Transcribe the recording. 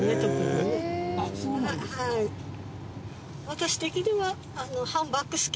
私的には。